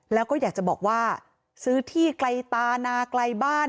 แล้วก็อยากจะบอกว่าซื้อที่ไกลตานาไกลบ้าน